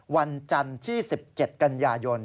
วันจันทร์ที่๑๗กันยายน